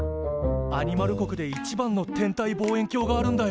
アニマル国で一番の天体望遠鏡があるんだよ。